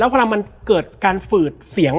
แล้วสักครั้งหนึ่งเขารู้สึกอึดอัดที่หน้าอก